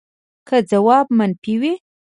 که ځواب منفي وي